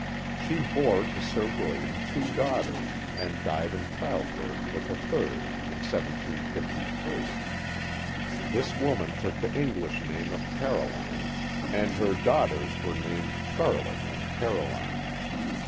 She bore to Sir William two daughters, and died in childbirth with a third, in 1753. This woman took the English name of Caroline, and her daughters were named Charlotte and Caroline.